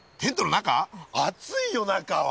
暑いよ中は。